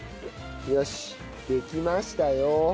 よしできましたよ。